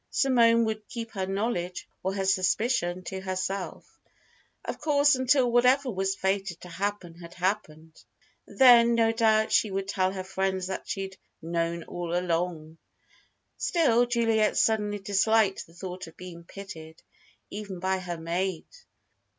Simone would keep her knowledge or her suspicion to herself, of course, until whatever was fated to happen had happened. Then, no doubt, she would tell her friends that she'd "known all along." Still, Juliet suddenly disliked the thought of being pitied even by her maid.